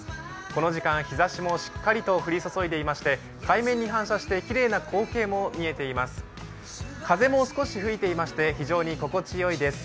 この時間、日ざしもしっかりと降り注いでいまして、海面に反射してきれいな光景も見えています。